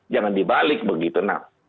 jangan dibalik begitu